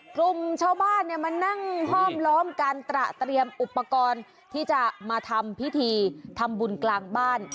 กลุ่มชาวบ้านมานั่งห้อมล้อมการตระเตรียมอุปกรณ์ที่จะมาทำพิธีทำบุญกลางบ้าน